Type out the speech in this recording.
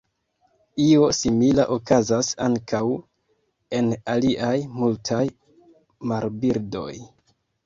Io simila okazas ankaŭ en aliaj multaj marbirdoj.